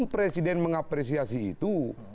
presiden mengapresiasi itu